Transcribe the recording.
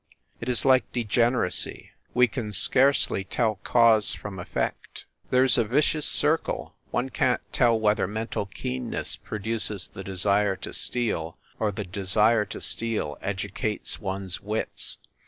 It is like de generacy we can scarcely tell cause from effect, 128 FIND THE WOMAN There s a "vicious circle" one can t tell whether mental keenness produces the desire to steal, or the desire to steal educates one s wits.